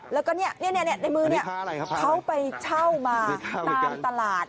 แล้วก็เนี่ยในมือเนี่ยเขาไปเช่ามาตามตลาด